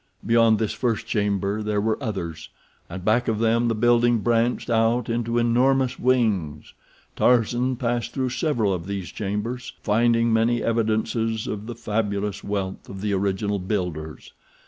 Beyond this first chamber there were others, and back of them the building branched out into enormous wings. Tarzan passed through several of these chambers, finding many evidences of the fabulous wealth of the original builders.